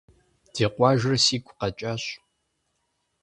Ди къуажэр сигу къэкӀащ.